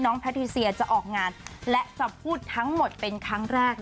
แพทิเซียจะออกงานและจะพูดทั้งหมดเป็นครั้งแรก